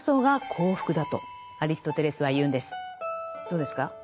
どうですか？